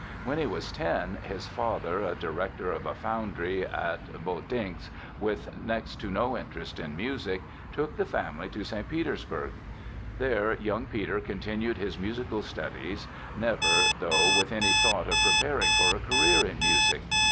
When he was ten, his father, a director of a foundry at Votinsk with next to no interest in music, took the family to St. Petersburg. There young Peter continued his musical studies, never, though, with any thought of preparing for a career in music.